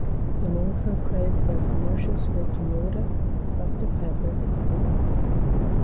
Among her credits are commercials for Toyota, Doctor Pepper, and Always.